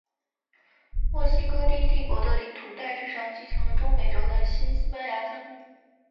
墨西哥第一帝国的领土大致上继承了中美洲的新西班牙疆域。